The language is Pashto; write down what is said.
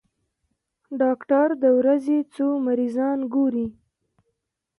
ډاکټر د ورځې څو مريضان ګوري؟